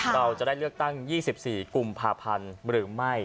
เราจะได้เลือกตั้ง๒๔กุมภาพันธ์หรือไม่